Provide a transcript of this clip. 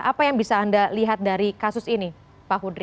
apa yang bisa anda lihat dari kasus ini pak hudri